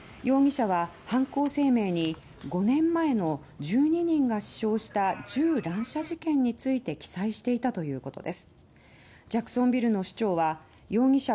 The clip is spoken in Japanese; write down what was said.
容疑者は犯行声明に５年前の銃乱射事件について記載していたということです。